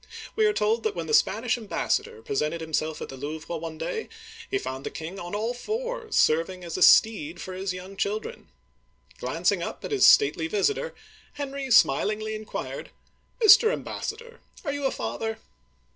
We are told that; when the Spanish ambassador presented himself at the Louvre one day, he found the king on all fours, serving as steed for his young children. Glancing up at his stately vis itor, Henry smilingly inquired :" Mr. Ambassador, are you .a father